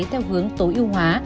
theo hướng tối ưu hóa